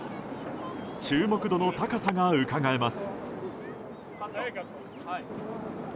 注目度の高さがうかがえます。